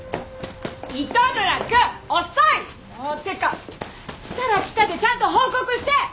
糸村くん遅い！っていうか来たら来たでちゃんと報告して！